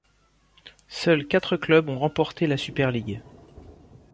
Seuls quatre clubs ont remporté la Super League.